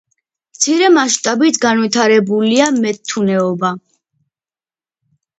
მცირე მასშტაბით განვითარებულია მეთუნეობა.